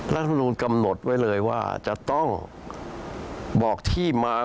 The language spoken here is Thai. รัฐมนุนกำหนดไว้เลยว่าจะต้องบอกที่มา